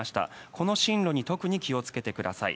この進路に特に気をつけてください。